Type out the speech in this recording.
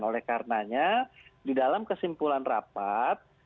oleh karenanya di dalam kesimpulan rapat